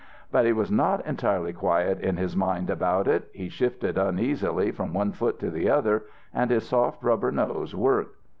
"But he was not entirely quiet in his mind about it. He shifted uneasily from one foot to the other, and his soft rubber nose worked.